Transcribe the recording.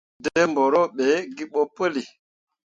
Dǝ mbǝro be gii ɓo puli.